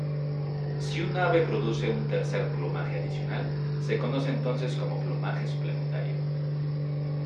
Si un ave produce un tercer plumaje adicional, se conoce entonces como plumaje suplementario.